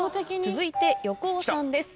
続いて横尾さんです。